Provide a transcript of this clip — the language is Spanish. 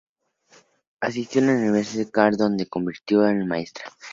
Asistió a la Universidad de Cardiff donde se convirtió en maestra.